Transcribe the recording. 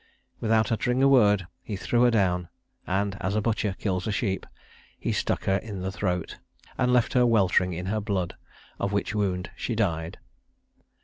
Without uttering a word, he threw her down, and as a butcher kills a sheep, he stuck her in the throat, and left her weltering in her blood, of which wound she died.